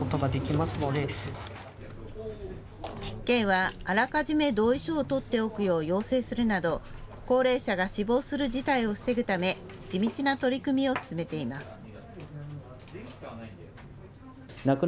県は、あらかじめ同意書を取っておくよう要請するなど高齢者が死亡する事態を防ぐため地道な取り組みを進めています。